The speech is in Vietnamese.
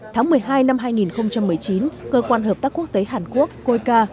tháng một mươi hai năm hai nghìn một mươi chín cơ quan hợp tác quốc tế hàn quốc coica